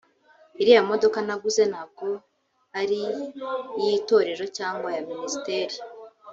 Iriya modoka naguze ntabwo ari iy’Itorero cyangwa ya Ministeri